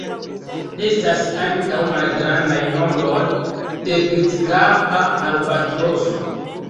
Estas ankaŭ malgrandaj nombroj de Grizkapa albatroso.